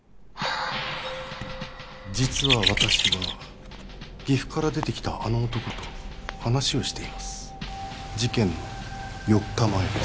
実は私は岐阜から出てきたあの男と話をしています事件の４日前です